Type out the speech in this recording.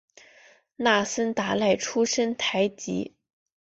那森达赖出身台吉。